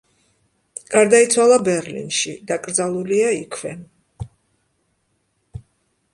გარდაიცვალა ბერლინში; დაკრძალულია იქვე.